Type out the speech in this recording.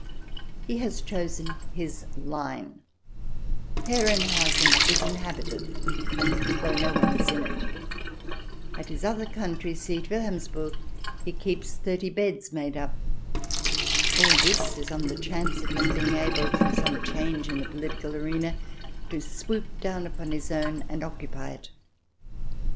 He has chosen his line. Herrenhausen is inhabited, though no one * This was written in 1912. CH. xvii] QUEENS DISCROWNED 243 is in it. At his other country seat, Wilhelmsberg, he keeps thirty beds made up. All this is on the chance of his being able, through some change in the political arena, to swoop down upon his own and occupy it.